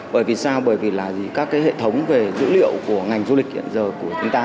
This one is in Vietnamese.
bởi vì sao bởi vì là các cái hệ thống về dữ liệu của ngành du lịch hiện giờ của chúng ta